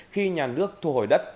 khi nhà nước thu hồi đất